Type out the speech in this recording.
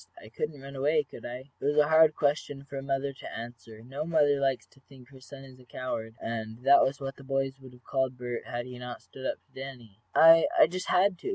I couldn't run away, could I?" It was a hard question for a mother to answer. No mother likes to think her son a coward, and that was what the boys would have called Bert had he not stood up to Danny. "I I just had to!"